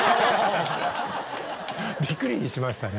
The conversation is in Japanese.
びっくりしましたね。